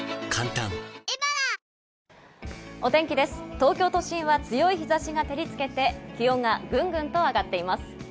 東京都心は強い日差しが照りつけて気温がぐんぐんと上がっています。